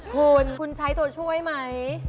คุณคุณใช้ตัวช่วยไหม